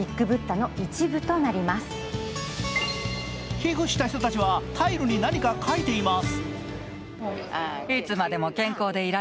寄付した人たちはタイルに何か書いています。